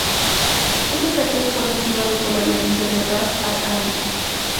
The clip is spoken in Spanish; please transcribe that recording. Este ataque fue motivado por la violencia en Ras al-Ain.